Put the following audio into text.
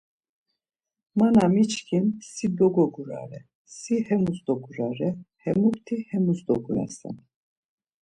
Ma na miçkin si dogogurare, si hemus dogurare, hemukti hemus dogurasen.